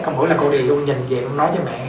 mỗi lần con đi luôn mình nhìn dạng nói với mẹ